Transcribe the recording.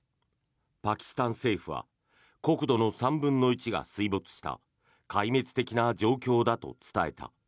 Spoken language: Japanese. パキスタン政府は国土の３分の１が水没した壊滅的な状況だと伝えた。